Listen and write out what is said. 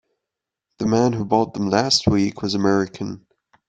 The man who bought them last week was American.